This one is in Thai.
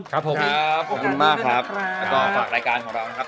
ครับผมครับขอบคุณมากครับแล้วก็ฝากรายการของเรานะครับ